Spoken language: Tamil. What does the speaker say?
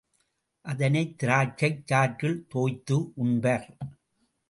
அதனைத் திராட்சைச் சாற்றில் தோய்த்து உண்பர்.